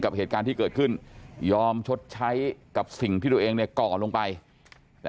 กินยาแล้วก็มันกินเหล้า